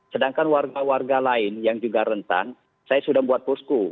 sedangkan warga warga lain yang juga rentan saya sudah membuat posko